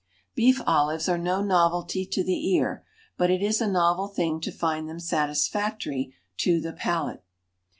BEEF OLIVES are no novelty to the ear, but it is a novel thing to find them satisfactory to the palate.